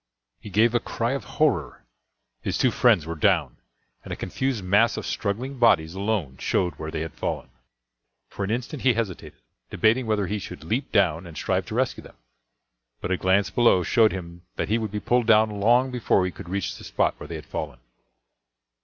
He gave a cry of horror. His two friends were down, and a confused mass of struggling bodies alone showed where they had fallen. For an instant he hesitated, debating whether he should leap down and strive to rescue them; but a glance below showed him that he would be pulled down long before he could reach the spot where they had fallen.